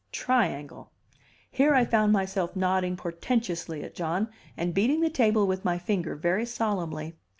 Triangle." Here I found myself nodding portentously at John, and beating the table with my finger very solemnly.